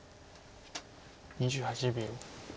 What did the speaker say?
２８秒。